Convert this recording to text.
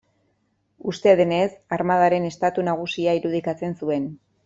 Uste denez, armadaren estatu nagusia irudikatzen zuen.